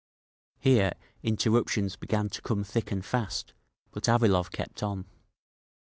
Here interruptions began to come thick and fast, but Avilov kept on.